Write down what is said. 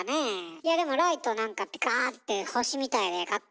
いやでもライトなんかピカーって星みたいでかっこいいわよ